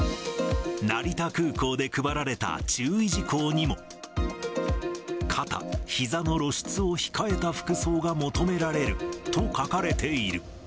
成田空港で配られた注意事項にも、肩、ひざの露出を控えた服装が求められると書かれている。